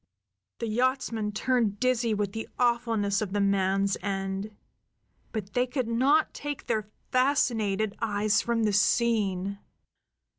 The yachtsmen turned dizzy with the awfulness of the man's end; but they could not take their fascinated eyes from the scene.